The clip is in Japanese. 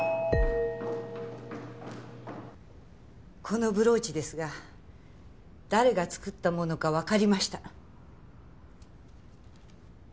このブローチですが誰が作ったものかわかりました。